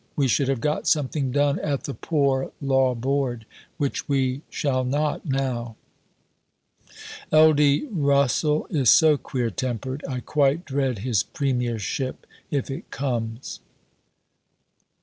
We should have got something done at the Poor Law Board, which we shall not now. Ld. Russell is so queer tempered. I quite dread his Premiership, if it comes.